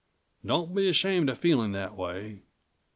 Don't be ashamed of feeling that way.